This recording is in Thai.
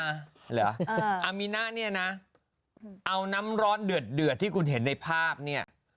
เหรออามินะเนี่ยนะเอาน้ำร้อนเดือดที่คุณเห็นในภาพเนี่ย